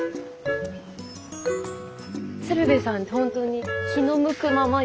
鶴瓶さんってほんとに気の向くままに。